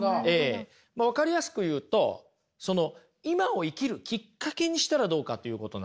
分かりやすく言うとその今を生きるきっかけにしたらどうかということなんですよ。